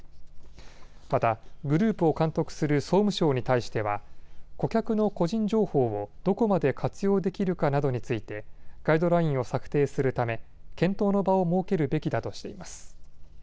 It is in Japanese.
またグループを監督する総務省に対しては顧客の個人情報をどこまで活用できるかなどについてガイドラインを策定するため検討の場を設けるべきだとしています。